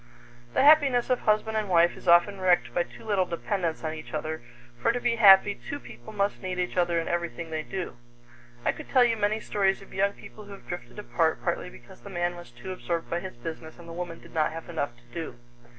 The happiness of husband and wife is often wrecked by too little dependence on each other, for to be happy two people must need each other in everything they do. I could tell you many stories of young people who have drifted apart partly because the man was too absorbed by his business and the woman did not have enough to do.